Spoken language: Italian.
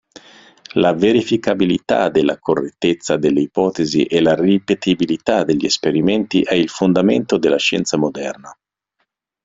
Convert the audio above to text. La verificabilità della correttezza delle ipotesi e la ripetibilità degli esperimenti è il fondamento della scienza moderna.